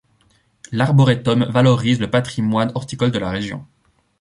L'arboretum valorise le patrimoine horticole de la région.